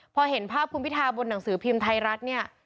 พอเห็นภาพคุณพิทาบนหนังสือพิมพ์ไทยรัฐเนี่ย